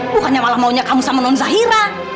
bukannya malah maunya kamu sama non zahira